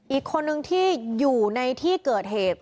อีกคนนึงที่อยู่ในที่เกิดเหตุ